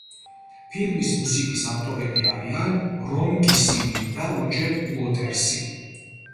ფილმის მუსიკის ავტორები არიან რონ გისინი და როჯერ უოტერსი.